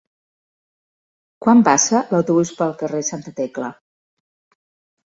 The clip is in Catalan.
Quan passa l'autobús pel carrer Santa Tecla?